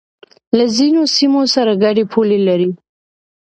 له ځینو سیمو سره گډې پولې لري